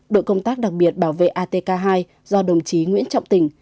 đội công tác đặc biệt bảo vệ atk hai do đồng chí nguyễn trọng tỉnh